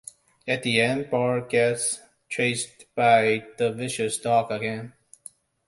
At the end Bart gets chased by the vicious dog again.